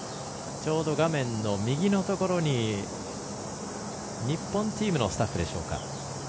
画面右のところに日本チームのスタッフでしょうか。